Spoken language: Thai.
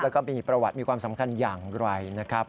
แล้วก็มีประวัติมีความสำคัญอย่างไรนะครับ